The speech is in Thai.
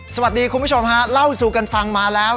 คุณผู้ชมฮะเล่าสู่กันฟังมาแล้ว